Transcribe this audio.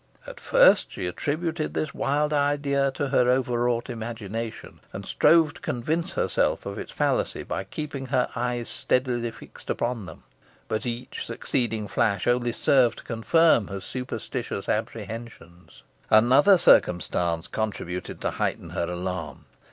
At first she attributed this wild idea to her overwrought imagination, and strove to convince herself of its fallacy by keeping her eyes steadily fixed upon them. But each succeeding flash only served to confirm her superstitious apprehensions. Another circumstance contributed to heighten her alarm.